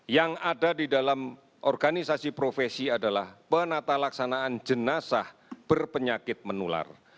yang ada di dalam organisasi profesi adalah penata laksanaan jenazah berpenyakit menular